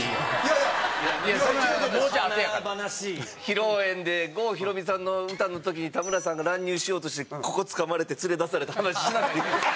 披露宴で郷ひろみさんの歌の時にたむらさんが乱入しようとしてここつかまれて連れ出された話しなくていいんですか？